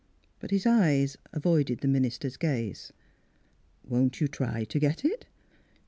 But his eyes avoided the minister's gaze. "Won't you try to get it?